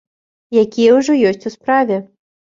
Якія ўжо ёсць у справе.